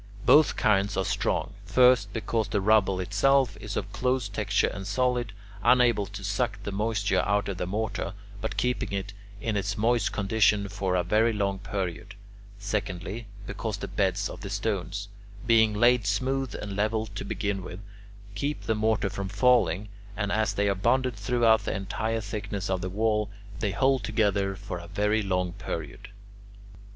Both kinds are strong: first, because the rubble itself is of close texture and solid, unable to suck the moisture out of the mortar, but keeping it in its moist condition for a very long period; secondly, because the beds of the stones, being laid smooth and level to begin with, keep the mortar from falling, and, as they are bonded throughout the entire thickness of the wall, they hold together for a very long period.